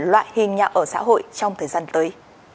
loại hình nhà ở xã hội trong thời gian tới